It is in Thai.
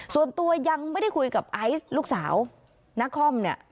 ส่วนตัวยังไม่ได้คุยกับไอซ์ลูกสาวนครเนี่ย